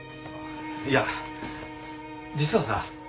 いや実はさ